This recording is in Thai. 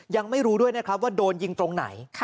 ยังไม่รู้ด้วยนะครับว่าโดนยิงตรงไหน